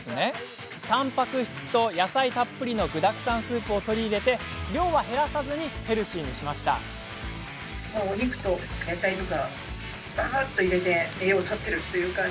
たんぱく質と野菜たっぷりの具だくさんスープを取り入れて量は減らさずヘルシーに。